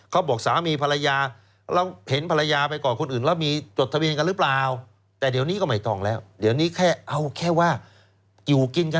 โดยเปิดเผยไม่ต้องมีทะเบียนไม่ต้องจดทะเบียนสำรวจก็ได้